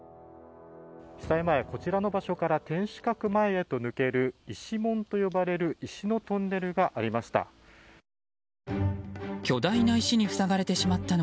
被災前、こちらの場所から天守閣前へと抜ける石門と呼ばれる石のトンネルがありました。